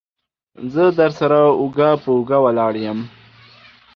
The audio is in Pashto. زه درسره اوږه په اوږه ولاړ يم.